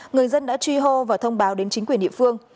người dân đã truy hô và thông báo đến chính quyền địa phương